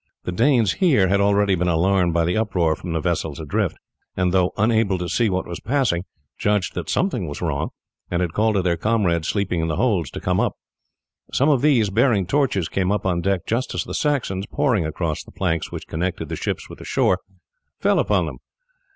The Danes here had already been alarmed by the uproar from the vessels adrift, and although unable to see what was passing judged that something was wrong, and had called to their comrades sleeping in the holds to come up. Some of these bearing torches came up on deck just as the Saxons, pouring across the planks which connected the ships with the shore, fell upon them.